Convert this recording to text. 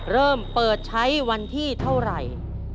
เริ่มเปิดใช้วันที่เท่าไหร่